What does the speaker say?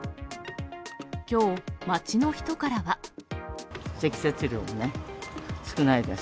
きょう、積雪量がね、少ないです。